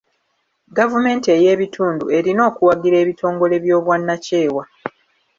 Gavumenti ey'ebitundu erina okuwagira ebitongole by'obwannakyewa.